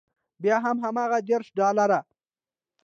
بیا هم هماغه دېرش ډالره.